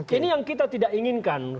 ini yang kita tidak inginkan